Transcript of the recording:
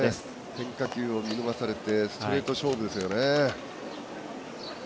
変化球を見逃されてストレート勝負ですよね。